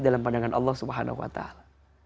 dalam pandangan allah subhanahu wa ta'ala